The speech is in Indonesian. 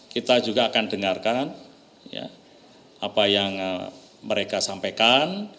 kita juga akan dengarkan apa yang mereka sampaikan